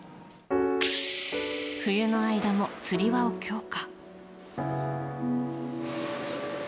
冬の間も、つり輪を強化。